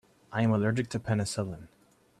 I am allergic to penicillin.